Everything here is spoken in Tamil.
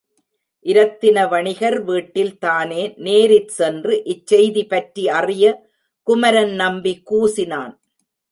இரத்தின வணிகர் வீட்டில் தானே நேரிற்சென்று இச்செய்திபற்றி அறிய குமரன்நம்பி கூசினான்.